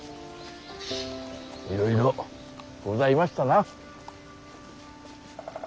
いろいろございましたな。